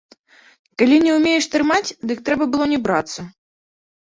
Калі не ўмееш трымаць, дык трэба было не брацца.